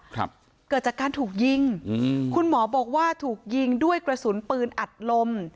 ครับเกิดจากการถูกยิงอืมคุณหมอบอกว่าถูกยิงด้วยกระสุนปืนอัดลม